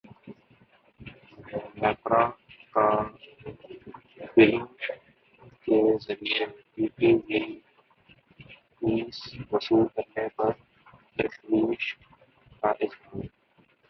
نیپرا کا بلوں کے ذریعے پی ٹی وی فیس وصول کرنے پر تشویش کا اظہار